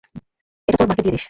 এটা তোর মাকে দিয়ে দিস।